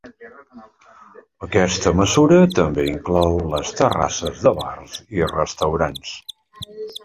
Aquesta mesura també inclou les terrasses de bars i restaurants.